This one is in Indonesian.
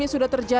di jawa tengah